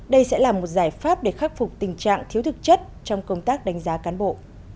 đây sẽ là một giải pháp để khắc phục tình trạng thiếu thực chất trong công tác đánh giá cán bộ